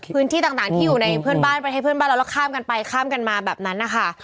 พื้นที่ต่างที่อยู่ในเพื่อนบ้านประเทศเพื่อนบ้านเราแล้วข้ามกันไปข้ามกันมาแบบนั้นนะคะ